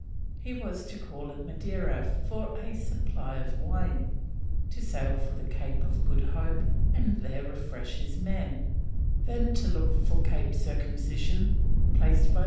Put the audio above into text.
He was to call at Madeira for a supply of wine; to sail for the Cape of Good Hope and there refresh his men; then to look for Cape Circumcision, placed by M.